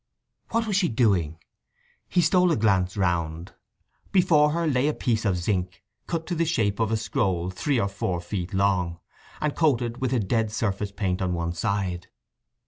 What was she doing? He stole a glance round. Before her lay a piece of zinc, cut to the shape of a scroll three or four feet long, and coated with a dead surface paint on one side.